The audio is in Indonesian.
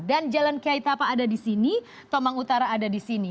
dan jalan kiai tapa ada di sini tomang utara ada di sini